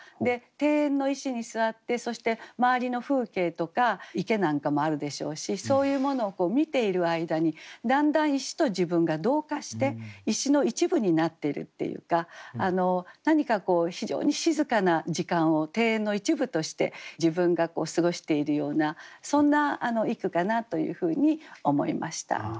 庭園の石に座ってそして周りの風景とか池なんかもあるでしょうしそういうものを見ている間にだんだん石と自分が同化して石の一部になってるっていうか何かこう非常に静かな時間を庭園の一部として自分が過ごしているようなそんな一句かなというふうに思いました。